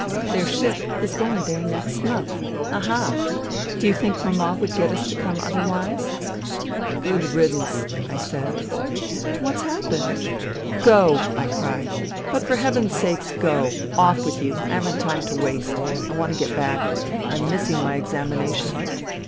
" Their ship is going there next month. Aha ! Do you think Mama would get us to come other wise ?"" Good riddance !" I said. " What's happened ?"" Go !" I cried. " But for heaven's sake go. Off with you! I haven't time to waste. I want to get back. I am missing my examination